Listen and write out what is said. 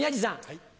はい。